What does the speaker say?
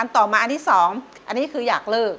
ต่อมาอันที่๒อันนี้คืออยากเลิก